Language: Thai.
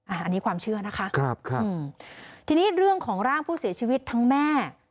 อันนี้ความเชื่อนะคะครับทีนี้เรื่องของร่างผู้เสียชีวิตทั้งแม่